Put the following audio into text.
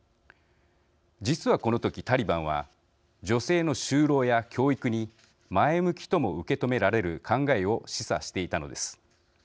実はこの時、タリバンは女性の就労や教育に前向きとも受け止められる考えを示唆していたのです。